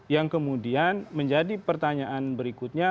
yang kemudian menjadi pertanyaan berikutnya